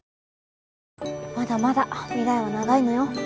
まだまだ未来は長いのよ